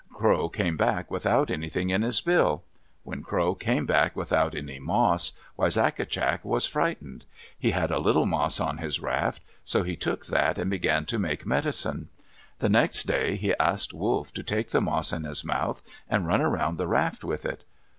Crow came back without anything in his bill. When Crow came back without any moss, Wisagatcak was frightened. He had a little moss on his raft, so he took that and began to make medicine. The next day he asked Wolf to take the moss in his mouth and run around the raft with it.